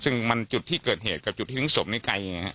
ซึ่งมันจุดที่เกิดเหตุกับจุดที่ทิ้งศพนี่ไกลไงฮะ